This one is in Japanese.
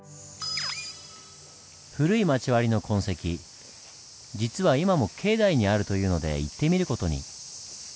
古い町割の痕跡実は今も境内にあるというので行ってみる事に。